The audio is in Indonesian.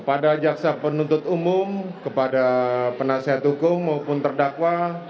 pada jaksa penuntut umum kepada penasihat hukum maupun terdakwa